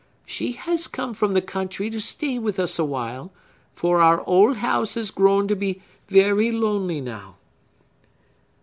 She has come from the country to stay with us awhile; for our old house has grown to be very lonely now."